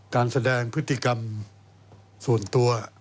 การแสดงพฤติกรรมส่วนตัว